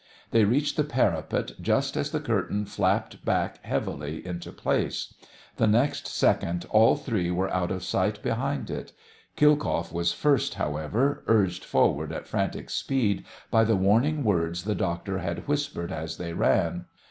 They reached the parapet just as the curtain flapped back heavily into place; the next second all three were out of sight behind it. Khilkoff was first, however, urged forward at frantic speed by the warning words the doctor had whispered as they ran.